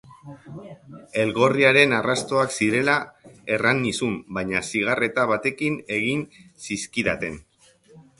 Elgorriaren arrastoak zirela erran nizun, baina zigarreta batekin egin zizkidaten!